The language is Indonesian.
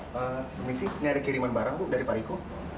permisi ini ada kiriman barang bu dari pak riko